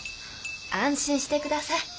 安心して下さい。